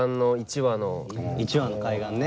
１話の海岸ね。